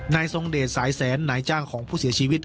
ทรงเดชสายแสนนายจ้างของผู้เสียชีวิต